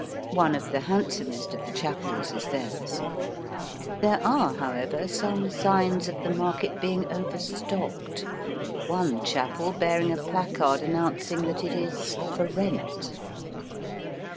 One of the handsomest of the chapels is theirs. There are, however, some signs of the market being overstocked, one chapel bearing a placard announcing that it is " For rent."